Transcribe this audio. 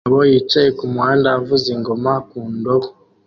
Umugabo yicaye kumuhanda avuza ingoma ku ndobo